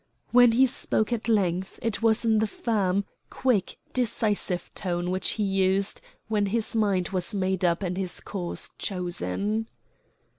When he spoke at length it was in the firm, quick, decisive tone which he used when his mind was made up and his course chosen.